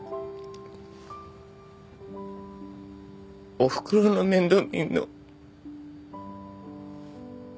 おふくろの面倒見んの。